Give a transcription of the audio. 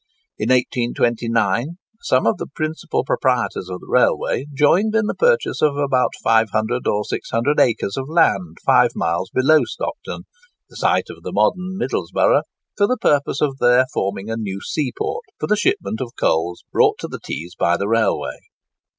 In 1829 some of the principal proprietors of the railway joined in the purchase of about 500 or 600 acres of land five miles below Stockton—the site of the modern Middlesborough—for the purpose of there forming a new seaport for the shipment of coals brought to the Tees by the railway.